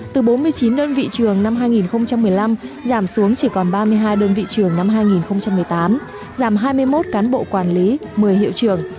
từ bốn mươi chín đơn vị trường năm hai nghìn một mươi năm giảm xuống chỉ còn ba mươi hai đơn vị trường năm hai nghìn một mươi tám giảm hai mươi một cán bộ quản lý một mươi hiệu trường